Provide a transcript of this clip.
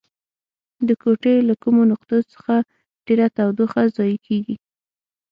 د کوټې له کومو نقطو څخه ډیره تودوخه ضایع کیږي؟